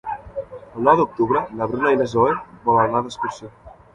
El nou d'octubre na Bruna i na Zoè volen anar d'excursió.